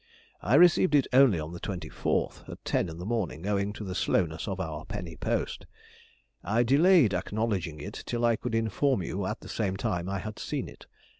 I received it only on the 24th, at ten in the morning, owing to the slowness of our penny post. I delayed acknowledging it till I could inform you at the same time I had seen it.